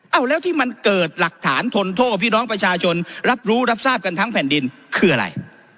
เอาแล้วที่มันเกิดหลักฐานทนโทษกับพี่น้องประชาชนรับรู้รับทราบกันทั้งแผ่นดินคืออะไร